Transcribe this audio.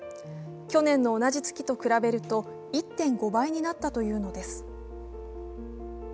去年の同じ月と比べると１．５倍になったというのです。